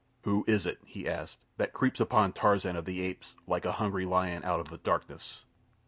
"Who is it," he asked, "that creeps upon Tarzan of the Apes, like a hungry lion out of the darkness?"